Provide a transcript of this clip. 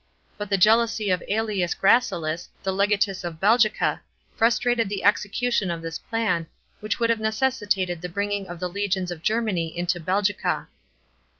But the jealousy of ^Elius Gracilis, the legatus of Belgica, frustrated the execution of this plan, which would have necessitated the brin ing of the legions of Germany into Belgica.